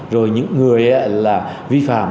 rồi những người vi phạm